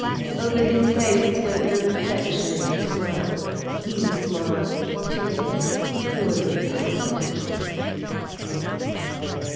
Over his face went the reflection of the smile, he smiled, too, purely unconsciously.